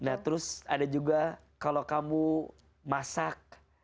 nah terus ada juga kalau kamu masak